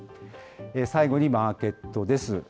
最後にマーケットです。